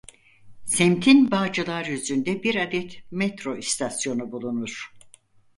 Semtin Bağcılar yüzünde bir adet metro istasyonu bulunur.